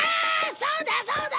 そうだそうだ！